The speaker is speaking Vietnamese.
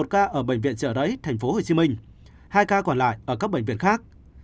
một ca ở bệnh viện chợ đấy tp hcm hai ca còn lại ở các bệnh viện khác